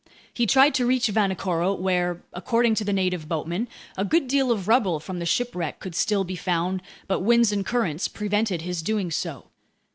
He tried to reach Vanikoro, where, according to the native boatman, a good deal of rubble from the shipwreck could still be found, but winds and currents prevented his doing so.